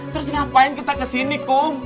terus ngapain kita kesini kok